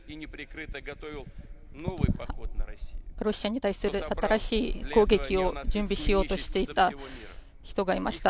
ロシアに対する新しい攻撃を準備しようとしていた人がいました。